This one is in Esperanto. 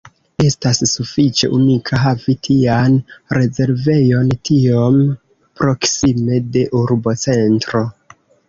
Estas sufiĉe unika havi tian rezervejon tiom proksime de urbocentro.